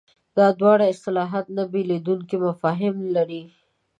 دا دواړه اصطلاحات نه بېلېدونکي مفاهیم لري.